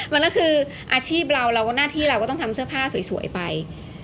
มันก็คืออาชีพเราเราก็หน้าที่เราก็ต้องทำเสื้อผ้าสวยไป